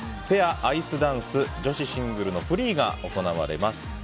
ペア、アイスダンス女子シングルのフリーが行われます。